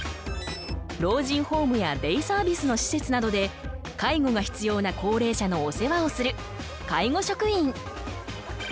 老人ホームやデイサービスの施設などで介護が必要な高齢者のお世話をする介護職員。